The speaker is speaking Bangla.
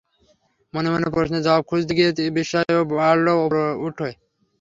মনে মনে প্রশ্নের জবাব খুঁজতে গিয়ে বিস্ময় বাড়ল ওপরে উঠে।